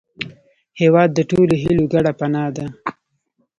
هېواد د ټولو هیلو ګډه پناه ده.